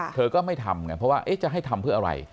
เธอก็ไม่ทำไงเพราะว่าจะให้ทำเพื่ออะไร